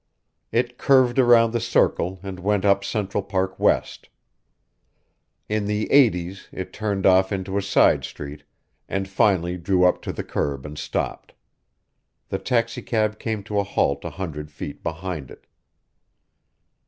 It curved around the Circle and went up Central Park West. In the Eighties it turned off into a side street, and finally drew up to the curb and stopped. The taxicab came to a halt a hundred feet behind it.